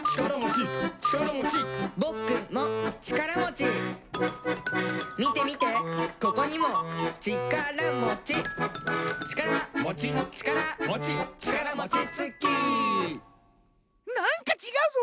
「ぼくもちからもち」「みてみてここにもちからもち」「ちから」「もち」「ちから」「もち」「ちからもちつき」なんかちがうぞ！